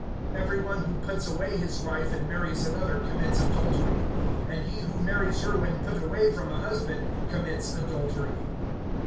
(18)Every one who puts away his wife, and marries another, commits adultery; and he who marries her when put away from a husband commits adultery.